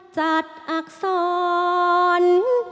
จัดอักษร